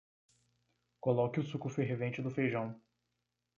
Coloque o suco fervente do feijão.